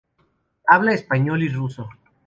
Habla español y ruso.